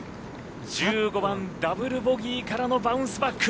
１５番ダブルボギーからのバウンスバック。